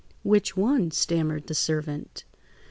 "Which one?" stammered the servant.